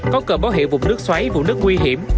có cờ báo hiệu vùng nước xoáy vụ nước nguy hiểm